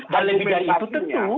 dan lebih dari itu tentu